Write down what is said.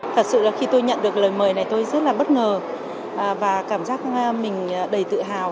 thật sự là khi tôi nhận được lời mời này tôi rất là bất ngờ và cảm giác mình đầy tự hào